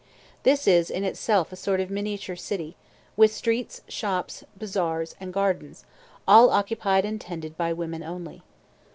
This is in itself a sort of miniature city, with streets, shops, bazaars, and gardens, all occupied and tended by women only.